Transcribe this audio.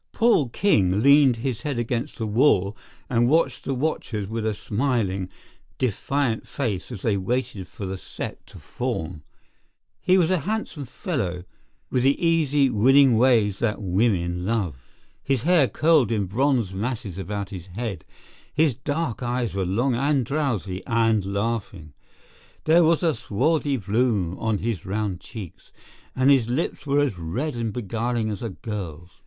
Paul King leaned his head against the wall and watched the watchers with a smiling, defiant face as they waited for the set to form. He was a handsome fellow, with the easy, winning ways that women love. His hair curled in bronze masses about his head; his dark eyes were long and drowsy and laughing; there was a swarthy bloom on his round cheeks; and his lips were as red and beguiling as a girl's.